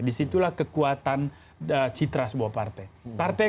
disitulah kekuatan citra sebuah partai